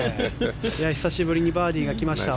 久しぶりにバーディーが来ました